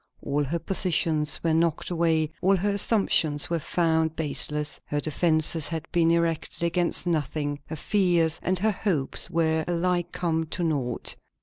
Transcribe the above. All her positions were knocked away; all her assumptions were found baseless; her defences had been erected against nothing; her fears and her hopes were alike come to nought.